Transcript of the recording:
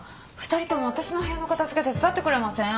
２人ともあたしの部屋の片付け手伝ってくれません？